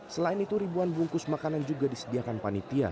selain itu ribuan bungkus makanan juga disediakan panitia